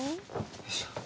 よいしょ。